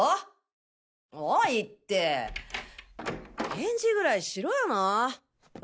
返事ぐらいしろよなえ！！